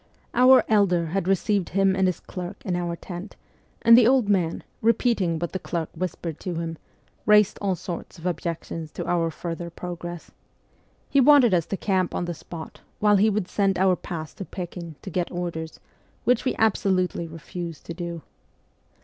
Our ' elder ' had received him and his clerk in our tent, and the old man, repeating what the clerk whispered to him, raised all sorts of objections to our further progress. He wanted us to camp on the spot while he would send our pass to Pekin to get orders, which we absolutely refused to do.